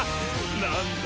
なんだ！